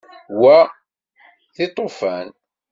Wa d lṭufan.